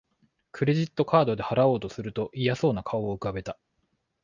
クレジットカードで払おうとすると嫌そうな顔を浮かべた